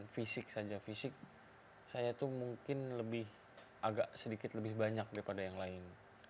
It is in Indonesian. fisik saja fisik saya itu mungkin lebih agak sedikit lebih banyak daripada yang lain